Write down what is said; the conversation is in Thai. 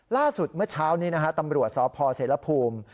เมื่อเช้านี้นะฮะตำรวจสพเสรภูมิ